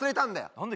何で？